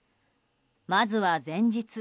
まずは前日。